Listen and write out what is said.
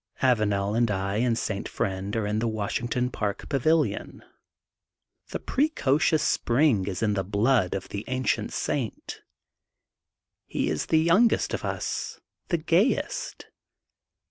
Avanel and I and St. Friend are in the Washington Park Pavilion. The precocious spring is in the blood of the ancient saint. He is the youngest of us, the gayest.